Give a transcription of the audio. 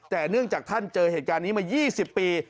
แต่เนื่องจากท่านเจอเหตุการณ์นี้มา๒๐ปี